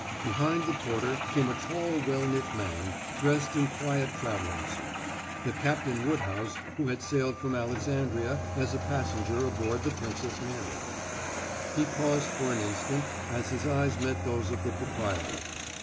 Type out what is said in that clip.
Behind the porter came a tall well knit man, dressed in quiet traveling suit the Captain Woodhouse who had sailed from Alexandria as a passenger aboard the Princess Mary. He paused for an instant as his eyes met those of the proprietor.